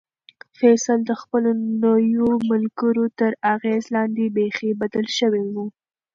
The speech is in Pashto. فیصل د خپلو نویو ملګرو تر اغېز لاندې بیخي بدل شوی و.